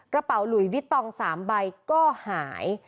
กระเป๋าหลุยวิตตอง๓ใบก็หาย